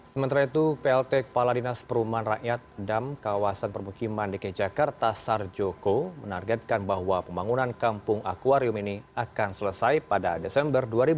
sementara itu plt kepala dinas perumahan rakyat dam kawasan permukiman dki jakarta sarjoko menargetkan bahwa pembangunan kampung akwarium ini akan selesai pada desember dua ribu dua puluh